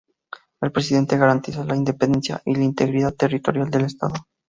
El presidente garantiza la independencia y la integridad territorial del estado.